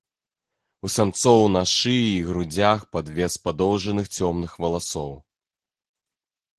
У самцоў на шыі і грудзях падвес з падоўжаных цёмных валасоў.